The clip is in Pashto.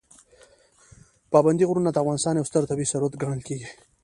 پابندي غرونه د افغانستان یو ستر طبعي ثروت ګڼل کېږي.